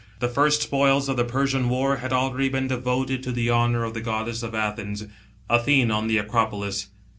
The first spoils of the Persian war had already been devoted to the honour of the goddess of Athens Athene on the Acropolis.